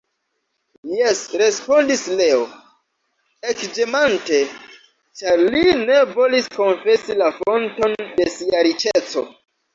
Jes, respondis Leo, ekĝemante, ĉar li ne volis konfesi la fonton de sia riĉeco.